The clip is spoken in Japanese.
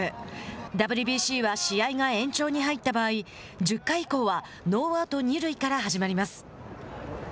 ＷＢＣは試合が延長に入った場合１０回以降はノーアウト、二塁から始まります。